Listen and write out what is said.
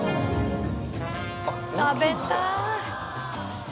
食べたい！